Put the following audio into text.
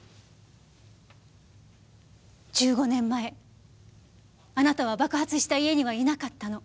１５年前あなたは爆発した家にはいなかったの。